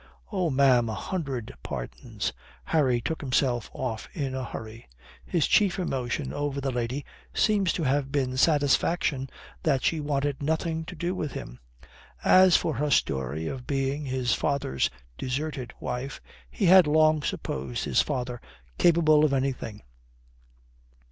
"Oh, ma'am, a hundred pardons," Harry took himself off in a hurry. His chief emotion over the lady seems to have been satisfaction that she wanted nothing to do with him. As for her story of being his father's deserted wife, he had long supposed his father capable of anything.